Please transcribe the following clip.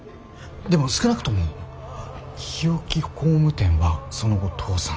でも少なくとも日置工務店はその後倒産。